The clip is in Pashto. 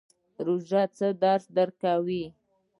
روژه څه درس ورکوي؟